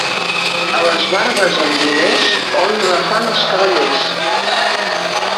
A les barbes amb diners honra fan els cavallers.